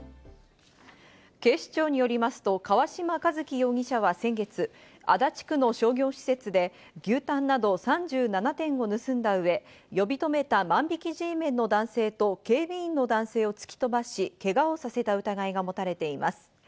警視庁によりますと、川嶋一輝容疑者は先月、足立区の商業施設で牛タンなど３７点を盗んだ上、呼び止めた万引きＧメンの男性と警備員の男性を突き飛ばし、けがをさせた疑いが持たれています。